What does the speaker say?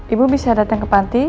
ibu bisa datang ke panti